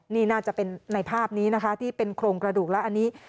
นี่น่าจะเป็นในภาพนี้นะคะที่เป็นโครงกระดูกแล้วอันนี้